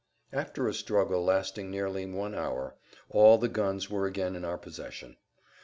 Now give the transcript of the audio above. After a struggle lasting nearly one hour all the guns were again in our possession.